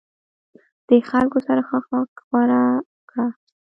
د خلکو سره ښه اخلاق غوره کړه.